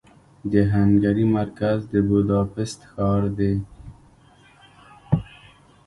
د هنګري مرکز د بوداپست ښار دې.